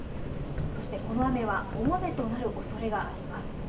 そしてこの雨は大雨となるおそれがあります。